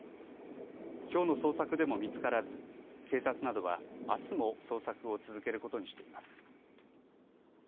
きょうの捜索でも見つからず警察などはあすも捜索を続けることにしています。